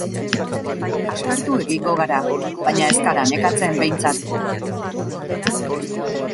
Aspertu egingo gara, baina ez gara nekatzen, behintzat.